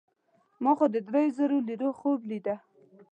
ما خو د دریو زرو لیرو خوب لیده.